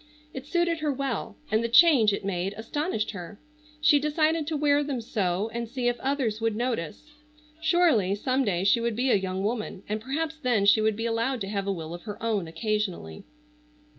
It suited her well, and the change it made astonished her. She decided to wear them so and see if others would notice. Surely, some day she would be a young woman, and perhaps then she would be allowed to have a will of her own occasionally.